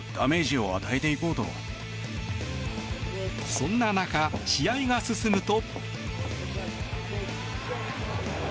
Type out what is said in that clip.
そんな中、試合が進むと。